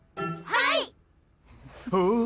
はい！